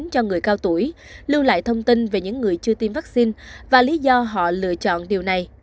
cho người cao tuổi lưu lại thông tin về những người chưa tiêm vaccine và lý do họ lựa chọn điều này